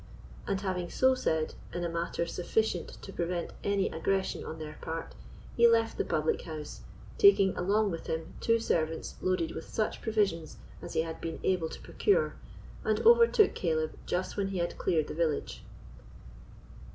And having so said, in a manner sufficient to prevent any aggression on their part, he left the public house, taking along with him two servants loaded with such provisions as he had been able to procure, and overtook Caleb just when he had cleared the village.